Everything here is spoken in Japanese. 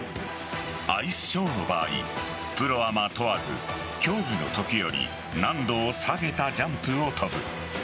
アイスショーの場合プロアマ問わず競技のときより難度を下げたジャンプを跳ぶ。